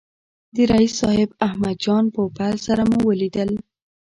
د رییس صاحب احمد جان پوپل سره مو ولیدل.